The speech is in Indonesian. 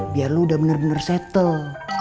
biar lo udah bener bener settle